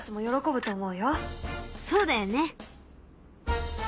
そうだよね。